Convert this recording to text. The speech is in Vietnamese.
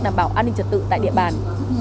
đảm bảo an ninh trật tự tại địa bàn